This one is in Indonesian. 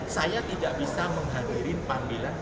saya tidak bisa menghadirin panggilan